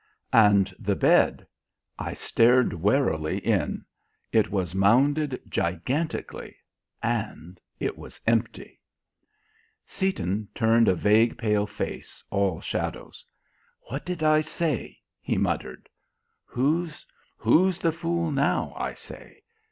And the bed! I stared warily in; it was mounded gigantically, and it was empty. Seaton turned a vague pale face, all shadows: "What did I say?" he muttered. "Who's who's the fool now, I say?